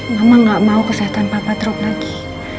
mama gak mau kesehatan papa trop lagi